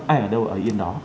ai ở đâu ở yên đó